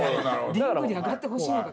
リングに上がってほしいのか。